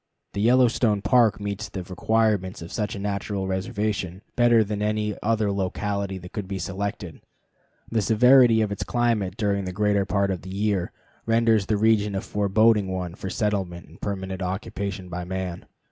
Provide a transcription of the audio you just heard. The Yellowstone Park meets the requirements of such a natural reservation better than any other locality that could be selected. The severity of its climate during the greater part of the year renders the region a forbidding one for settlement and permanent occupation by man.